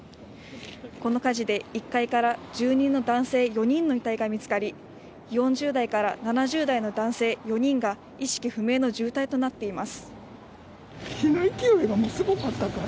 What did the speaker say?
この火事で１階から住人の男性４人の遺体が見つかり４０代から７０代の男性４人が意識不明の重体となっています。